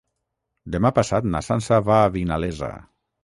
Demà passat na Sança va a Vinalesa.